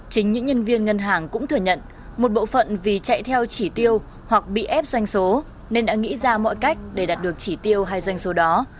chính những nhân viên ngân hàng cũng thừa nhận một bộ phận vì chạy theo chỉ tiêu hoặc bị ép doanh số nên đã nghĩ ra mọi cách để đạt được chỉ tiêu hay doanh số đó